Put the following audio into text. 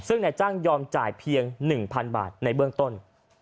ซึ่งนายจ้างยอมจ่ายเพียง๑๐๐๐บาทในเบื้องต้น